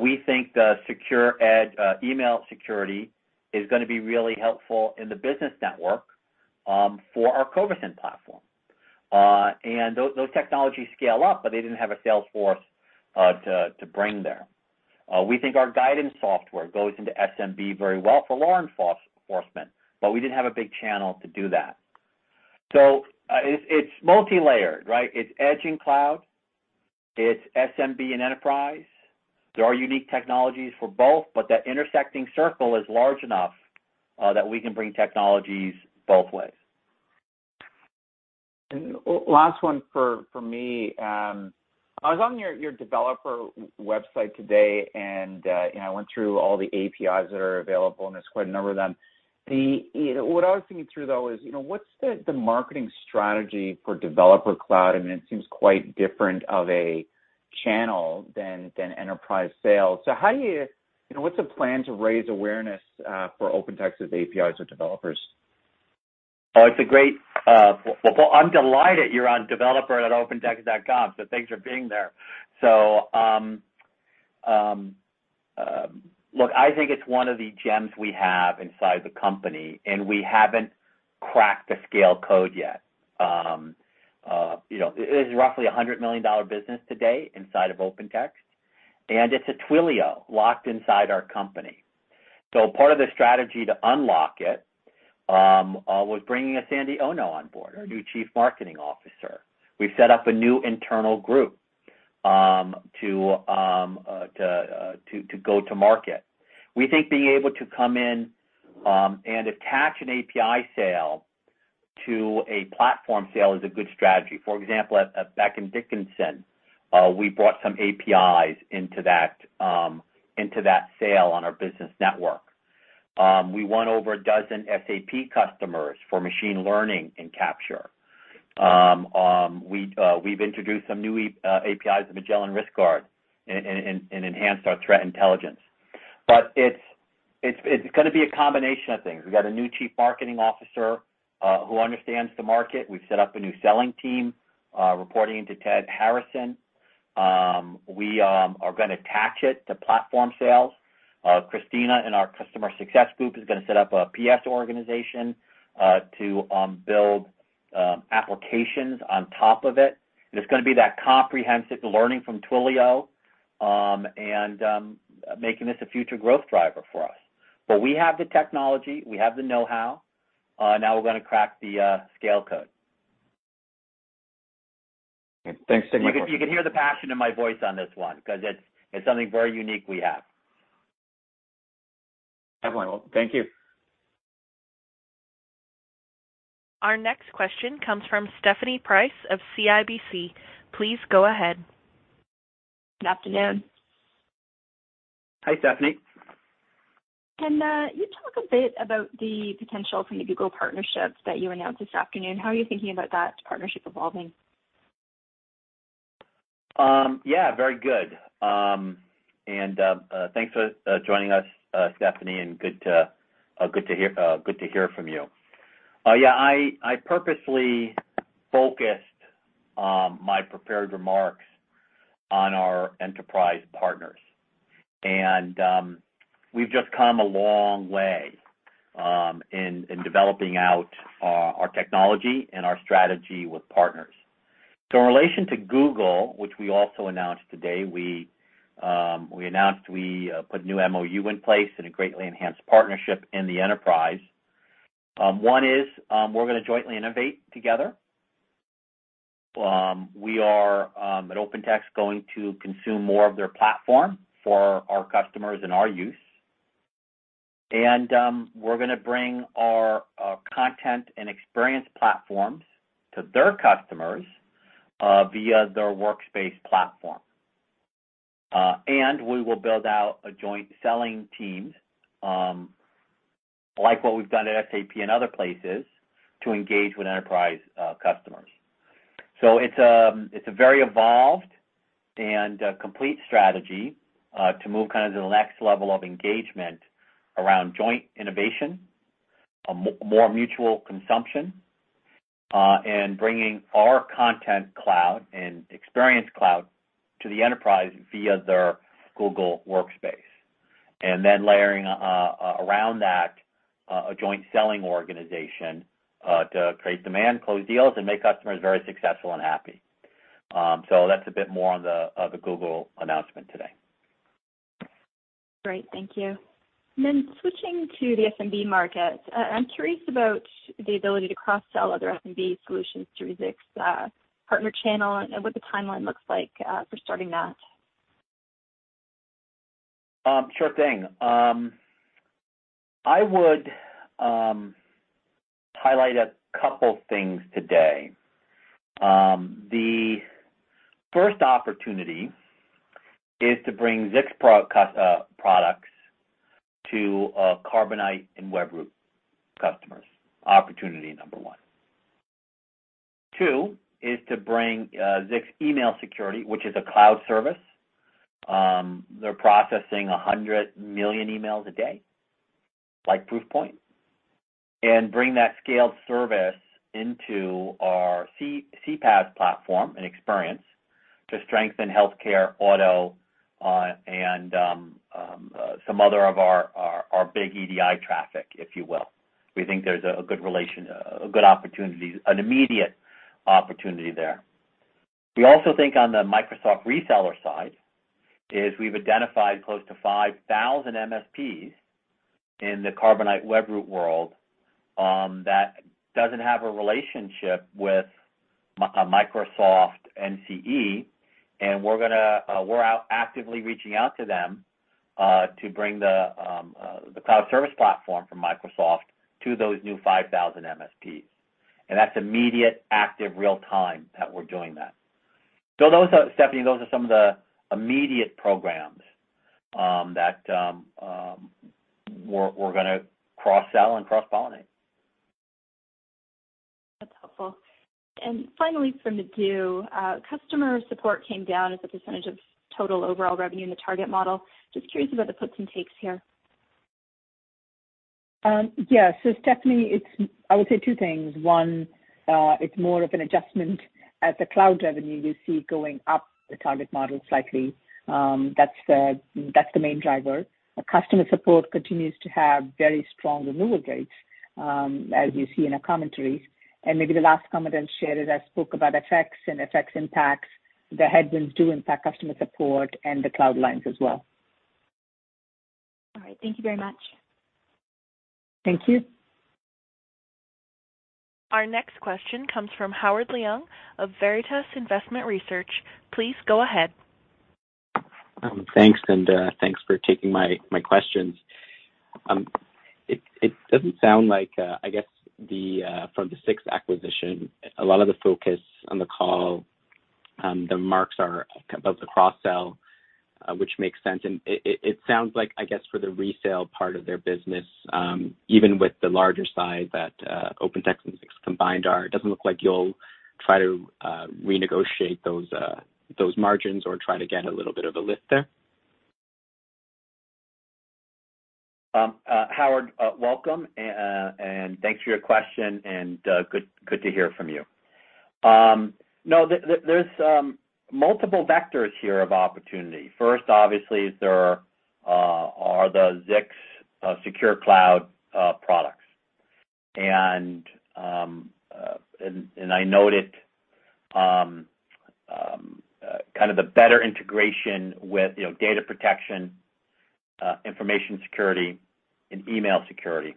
We think the secure edge email security is gonna be really helpful in the Business Network for our Covisint platform. Those technologies scale up, but they didn't have a sales force to bring there. We think our Guidance Software goes into SMB very well for law enforcement, but we didn't have a big channel to do that. It's multilayered, right? It's edge and cloud, it's SMB and enterprise. There are unique technologies for both, but that intersecting circle is large enough that we can bring technologies both ways. Last one for me. I was on your developer website today, and you know, I went through all the APIs that are available, and there's quite a number of them. You know, what I was thinking through, though, is you know, what's the marketing strategy for Developer Cloud? I mean, it seems quite different of a channel than enterprise sales. How are you you know, what's the plan to raise awareness for OpenText's APIs for developers? I'm delighted you're on developer@opentext.com, so thanks for being there. I think it's one of the gems we have inside the company, and we haven't cracked the scale code yet. You know, it is roughly a $100 million business today inside of OpenText, and it's a Twilio locked inside our company. Part of the strategy to unlock it was bringing Sandy Ono on board, our new Chief Marketing Officer. We've set up a new internal group to go to market. We think being able to come in and attach an API sale to a platform sale is a good strategy. For example, at Becton, Dickinson, we brought some APIs into that sale on our business network. We won over a dozen SAP customers for machine learning in Capture. We've introduced some new APIs to Magellan Risk Guard and enhanced our threat intelligence. It's gonna be a combination of things. We've got a new Chief Marketing Officer who understands the market. We've set up a new selling team reporting into Ted Harrison. We are gonna attach it to platform sales. Christina in our customer success group is gonna set up a PS organization to build applications on top of it. It's gonna be that comprehensive learning from Twilio and making this a future growth driver for us. We have the technology, we have the know-how, now we're gonna crack the scale code. Thanks for taking my question. You can hear the passion in my voice on this one 'cause it's something very unique we have. Everyone, well, thank you. Our next question comes from Stephanie Price of CIBC. Please go ahead. Good afternoon. Hi, Stephanie. Can you talk a bit about the potential from the Google partnerships that you announced this afternoon? How are you thinking about that partnership evolving? Yeah, very good. Thanks for joining us, Stephanie, and good to hear from you. I purposely focused my prepared remarks on our enterprise partners. We've just come a long way in developing out our technology and our strategy with partners. In relation to Google, which we also announced today, we announced we put new MOU in place and a greatly enhanced partnership in the enterprise. One is, we're gonna jointly innovate together. We are at OpenText going to consume more of their platform for our customers and our use. We're gonna bring our content and experience platforms to their customers via their workspace platform. We will build out a joint selling team, like what we've done at SAP and other places, to engage with enterprise customers. It's a very evolved and complete strategy to move kind of to the next level of engagement around joint innovation, more mutual consumption, and bringing our Content Cloud and Experience Cloud to the enterprise via their Google Workspace. Layering around that a joint selling organization to create demand, close deals, and make customers very successful and happy. That's a bit more on the Google announcement today. Great. Thank you. Switching to the SMB market, I'm curious about the ability to cross-sell other SMB solutions through Zix's partner channel and what the timeline looks like for starting that. Sure thing. I would highlight a couple things today. The first opportunity is to bring Zix products to Carbonite and Webroot customers. Opportunity number one. Two is to bring Zix email security, which is a cloud service, they're processing 100 million emails a day, like Proofpoint, and bring that scaled service into our CPAS platform and experience to strengthen healthcare, auto, and some other of our big EDI traffic, if you will. We think there's a good opportunity, an immediate opportunity there. We also think on the Microsoft reseller side is we've identified close to 5,000 MSPs in the Carbonite, Webroot world, that doesn't have a relationship with Microsoft NCE, and we're gonna... We're actively reaching out to them to bring the cloud service platform from Microsoft to those new 5,000 MSPs. That's immediate, active, real-time that we're doing that. Those are, Stephanie, those are some of the immediate programs that we're gonna cross-sell and cross-pollinate. That's helpful. Finally, for Madhu, customer support came down as a percentage of total overall revenue in the target model. Just curious about the puts and takes here. Yeah. Stephanie, I would say two things. One, it's more of an adjustment at the cloud revenue you see going up the target model slightly. That's the main driver. Our customer support continues to have very strong renewal rates, as you see in our commentary. Maybe the last comment I'll share is I spoke about FX and FX impacts. The headwinds do impact customer support and the cloud lines as well. All right. Thank you very much. Thank you. Our next question comes from Howard Leung of Veritas Investment Research. Please go ahead. Thanks for taking my questions. It doesn't sound like, I guess, from the Zix acquisition, a lot of the focus on the call, the margins or the cross-sell, which makes sense. It sounds like, I guess, for the resale part of their business, even with the larger size that OpenText and Zix combined are, it doesn't look like you'll try to renegotiate those margins or try to get a little bit of a lift there. Howard, welcome and thanks for your question, and good to hear from you. No, there's multiple vectors here of opportunity. First, obviously, are the Zix secure cloud products. I noted kind of the better integration with, you know, data protection, information security and email security.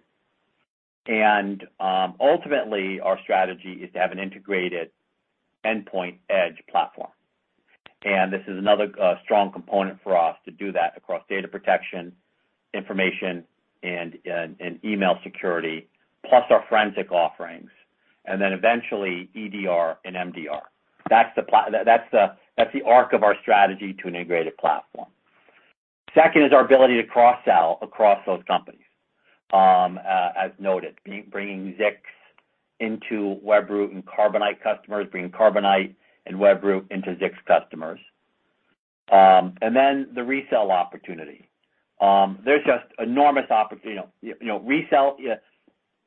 Ultimately, our strategy is to have an integrated endpoint edge platform. This is another strong component for us to do that across data protection, information, and email security, plus our forensic offerings, and then eventually EDR and MDR. That's the arc of our strategy to an integrated platform. Second is our ability to cross-sell across those companies. As noted, bringing Zix into Webroot and Carbonite customers, bringing Carbonite and Webroot into Zix customers. The resale opportunity. There's just enormous opportunity. You know, resale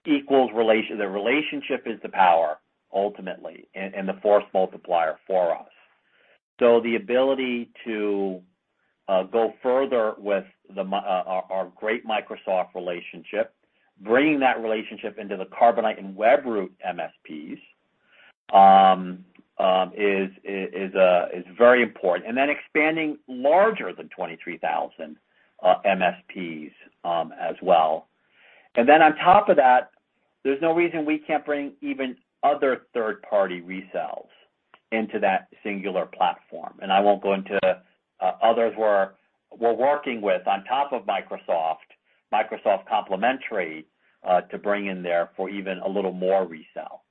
equals relationship. The relationship is the power ultimately and the force multiplier for us. The ability to go further with our great Microsoft relationship, bringing that relationship into the Carbonite and Webroot MSPs, is very important. Expanding larger than 23,000 MSPs as well. On top of that, there's no reason we can't bring even other third-party resells into that singular platform. I won't go into others we're working with on top of Microsoft complementary, to bring in there for even a little more resell.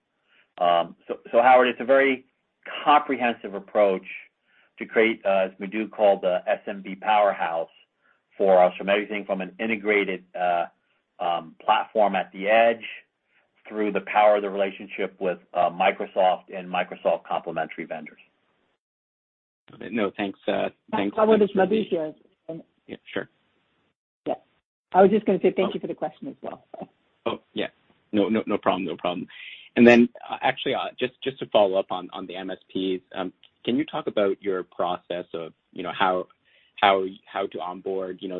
Howard, it's a very comprehensive approach to create, as Madhu called the SMB powerhouse for us from everything from an integrated platform at the edge through the power of the relationship with Microsoft and Microsoft complementary vendors. No, thanks for-. Howard, it's Madhu here. Yeah, sure. Yeah. I was just gonna say thank you for the question as well. Oh, yeah. No problem. Actually, just to follow up on the MSPs, can you talk about your process of, you know, how to onboard, you know,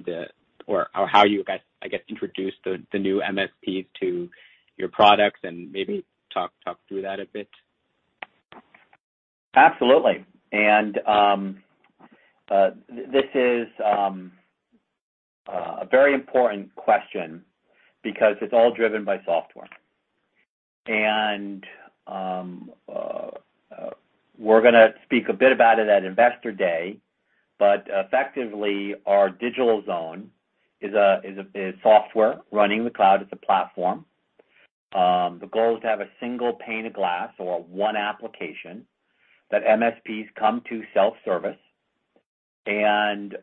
or how you guys, I guess, introduce the new MSPs to your products and maybe talk through that a bit? Absolutely. This is a very important question because it's all driven by software. We're gonna speak a bit about it at Investor Day, but effectively, our Digital Zone is software running the cloud as a platform. The goal is to have a single pane of glass or one application that MSPs come to self-service. You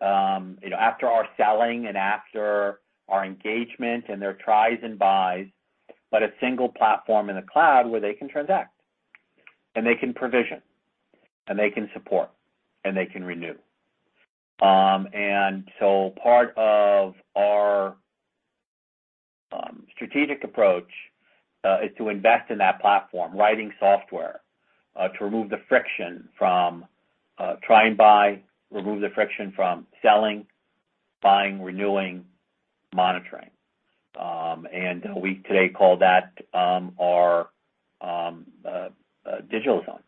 know, after our selling and after our engagement and their tries and buys, but a single platform in the cloud where they can transact, and they can provision, and they can support, and they can renew. Part of our strategic approach is to invest in that platform, writing software to remove the friction from try and buy, remove the friction from selling, buying, renewing, monitoring. We today call that our Digital Zone.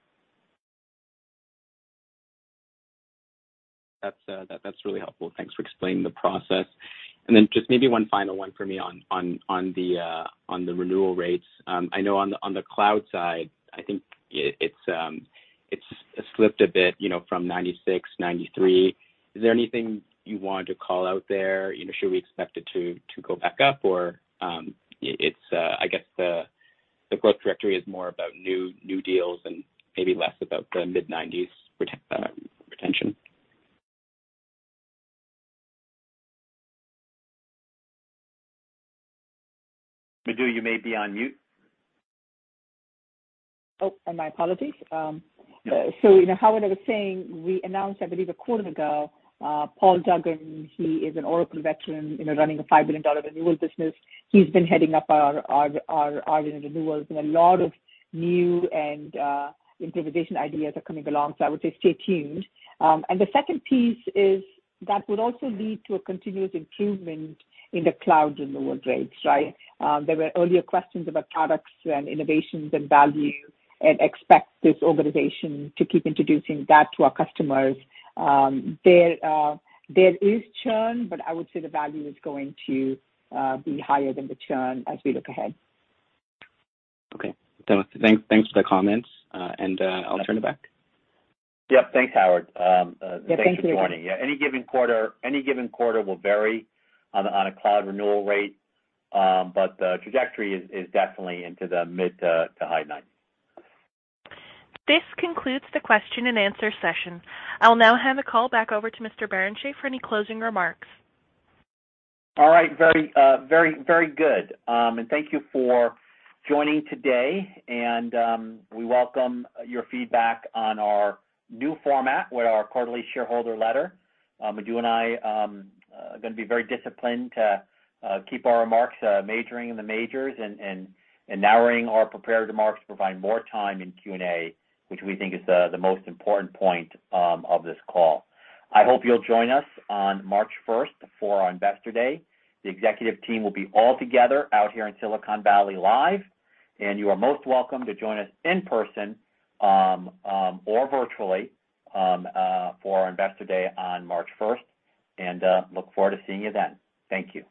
That's really helpful. Thanks for explaining the process. Just maybe one final one for me on the renewal rates. I know on the cloud side, I think it's slipped a bit, you know, from 96, 93. Is there anything you wanted to call out there? You know, should we expect it to go back up or it's the growth trajectory is more about new deals and maybe less about the mid-90s retention. Madhu, you may be on mute. Oh, my apologies. So, you know, Howard, I was saying we announced, I believe, a quarter ago, Paul Duggan, he is an Oracle veteran, you know, running a $5 billion renewal business. He's been heading up our renewals, and a lot of new and innovation ideas are coming along. I would say stay tuned. The second piece is that would also lead to a continuous improvement in the cloud renewal rates, right? There were earlier questions about products and innovations and value and expect this organization to keep introducing that to our customers. There is churn, but I would say the value is going to be higher than the churn as we look ahead. Okay. Thanks for the comments. I'll turn it back. Yeah, thanks, Howard. Yeah, thank you. Thanks for the warning. Yeah, any given quarter will vary on a cloud renewal rate, but the trajectory is definitely into the mid to high 90s. This concludes the question and answer session. I'll now hand the call back over to Mr. Barrenechea for any closing remarks. All right. Very good. Thank you for joining today. We welcome your feedback on our new format with our quarterly shareholder letter. Madhu and I are gonna be very disciplined to keep our remarks majoring in the majors and narrowing our prepared remarks to provide more time in Q&A, which we think is the most important point of this call. I hope you'll join us on March 1st for our Investor Day. The executive team will be all together out here in Silicon Valley live, and you are most welcome to join us in person or virtually for our Investor Day on March 1st. Look forward to seeing you then. Thank you.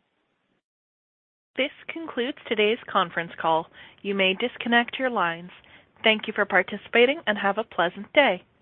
This concludes today's conference call. You may disconnect your lines. Thank you for participating and have a pleasant day.